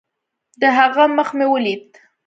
د هغه مخ مې وليد.